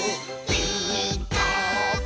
「ピーカーブ！」